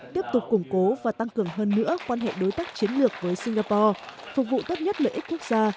tiếp tục củng cố và tăng cường hơn nữa quan hệ đối tác chiến lược với singapore phục vụ tốt nhất lợi ích quốc gia